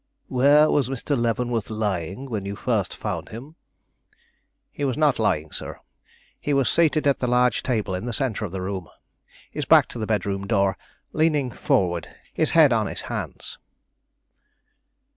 "Where was Mr. Leavenworth lying when you first found him?" "He was not lying, sir. He was seated at the large table in the centre of his room, his back to the bedroom door, leaning forward, his head on his hands."